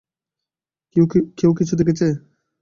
কেউ কি কিছু দেখেছে?